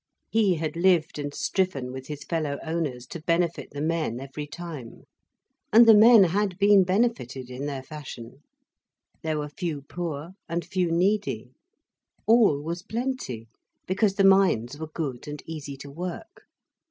He had lived and striven with his fellow owners to benefit the men every time. And the men had been benefited in their fashion. There were few poor, and few needy. All was plenty, because the mines were good and easy to work.